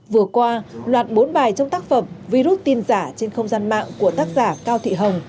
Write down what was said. vừa qua loạt bốn bài trong tác phẩm virus tin giả trên không gian mạng của tác giả cao thị hồng